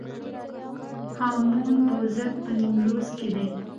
هامون پوزک په نیمروز کې دی